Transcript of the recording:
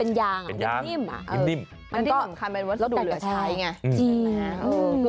เป็นยางยังนิ่มแล้วก็แต่ก็ใช้ไง